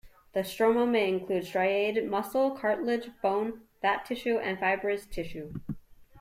The stroma may include striated muscle, cartilage, bone, fat tissue, and fibrous tissue.